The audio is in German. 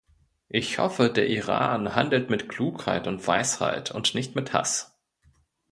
Ich hoffe, der Iran handelt mit Klugheit und Weisheit und nicht mit Haß.